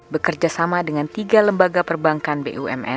bekerja sama dengan tiga lembaga perbankan bumn